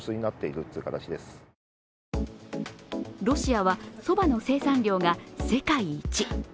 ロシアは、そばの生産量が世界一